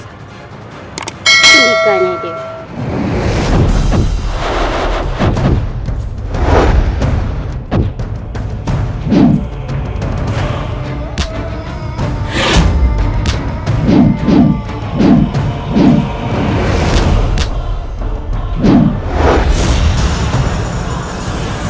hai kau berhutang nyawa padamu